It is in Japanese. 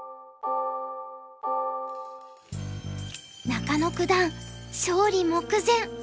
中野九段勝利目前。